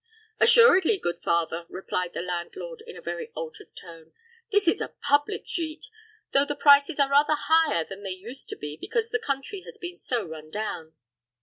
"Assuredly, good father," replied the landlord, in a very altered tone; "this is a public gite, though the prices are rather higher than they used to be, because the country has been so run down."